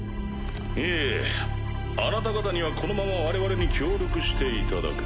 いえあなた方にはこのまま我々に協力していただく。